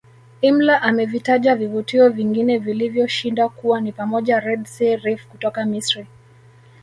Imler amevitaja vivutio vingine vilivyo shinda kuwa ni pamoja Red sea reef kutoka Misri